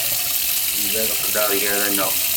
Yella leqder gar-aneɣ.